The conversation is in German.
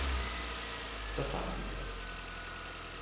Das haben wir gleich.